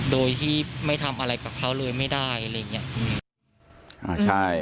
โดยที่ไม่ทำอะไรกับเขาเลยไม่ได้อะไรอย่างนี้